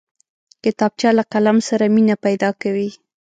کتابچه له قلم سره مینه پیدا کوي